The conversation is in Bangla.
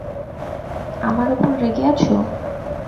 আমার ওপর রেগে আছো?